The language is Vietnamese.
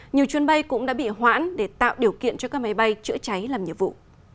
nhiều chuyến bay cũng đã bị hoãn để tạo điều kiện cho các máy bay chữa cháy làm nhiệm vụ